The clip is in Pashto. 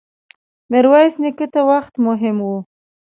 ميرويس نيکه ته وخت مهم و.